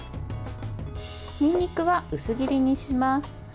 にんにくは薄切りにします。